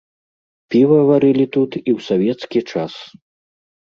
Піва варылі тут і ў савецкі час.